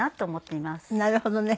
なるほどね。